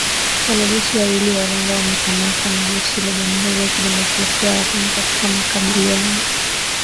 Wanajeshi wawili wa Rwanda wamekamatwa na jeshi la Jamuhuri ya Kidemokrasia ya Kongo katika makabiliano